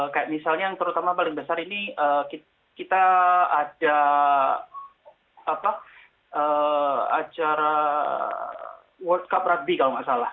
kayak misalnya yang terutama paling besar ini kita ada acara world cup rudby kalau nggak salah